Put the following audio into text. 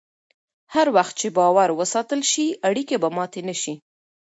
هر وخت چې باور وساتل شي، اړیکې به ماتې نه شي.